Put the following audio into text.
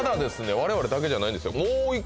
我々だけじゃないんですよ